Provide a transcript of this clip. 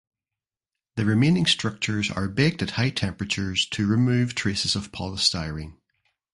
The remaining structures are baked at high temperatures to remove traces of polystyrene.